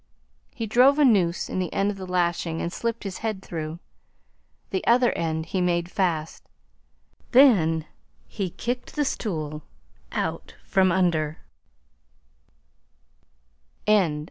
He drove a noose in the end of the lashing and slipped his head through. The other end he made fast. Then he kicked the stool out from under.